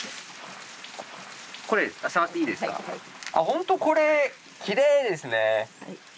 本当これきれいですね。